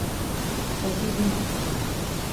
Şaşırdın.